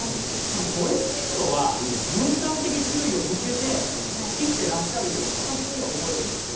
それっていうのは分散的注意を向けて生きていらっしゃるように私には思えるんですよね。